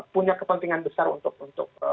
punya kepentingan besar untuk